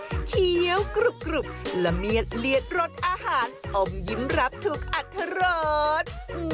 ทำเล็กเคี้ยวกรุบละเมียดเหลียดรสอาหารอ้อมยิ้มรับถูกอัตโทรศ